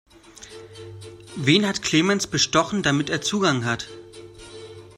Wen hat Clemens bestochen, damit er Zugang hat?